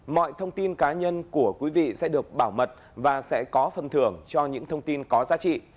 mọi thông tin cá nhân của quý vị sẽ được bảo mật và sẽ có phần thưởng cho những thông tin có giá trị